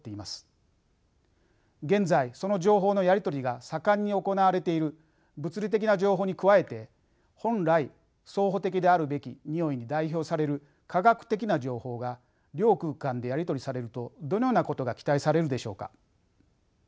現在その情報のやり取りが盛んに行われている物理的な情報に加えて本来相補的であるべきにおいに代表される化学的な情報が両空間でやり取りされるとどのようなことが期待されるでしょうか？